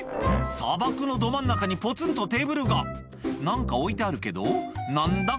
砂漠のど真ん中にぽつんとテーブルが何か置いてあるけど何だ？